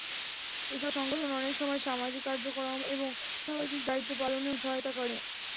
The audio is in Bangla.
এসব সংগঠন অনেক সময় সামাজিক কাজকর্ম এবং সামাজিক দায়িত্ব পালনেও সহায়তা করে।